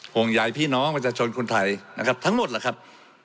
ห่วงใยพี่น้องประชาชนคนไทยนะครับทั้งหมดล่ะครับ